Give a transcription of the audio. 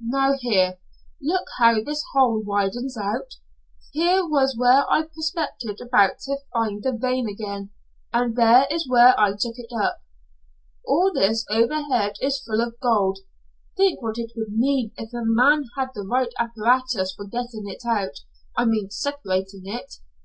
"Now here, look how this hole widens out? Here was where I prospected about to find the vein again, and there is where I took it up. All this overhead is full of gold. Think what it would mean if a man had the right apparatus for getting it out I mean separating it!